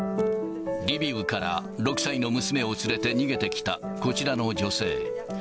リビウから６歳の娘を連れて逃げてきたこちらの女性。